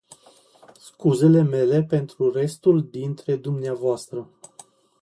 Scuzele mele pentru restul dintre dvs.